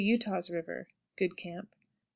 Utah's River. Good camp. 18.